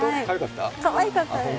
かわいかったです。